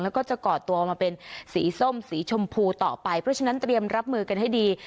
แล้วก็จะก่อตัวมาเป็นสีส้มสีชมพูต่อไปเพราะฉะนั้นเตรียมรับมือกันให้ดี